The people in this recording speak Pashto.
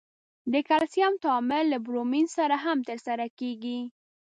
د کلسیم تعامل له برومین سره هم ترسره کیږي.